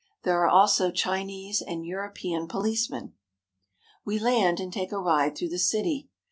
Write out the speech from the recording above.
There are also Chinese and European policemen. We land and take a ride through the city.